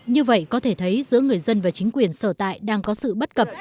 như vậy có thể thấy giữa người dân và chính quyền sở tại đang có sự bất cập